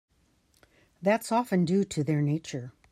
That's often due to their nature.